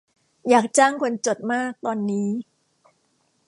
อยากจ้างคนจด มากตอนนี้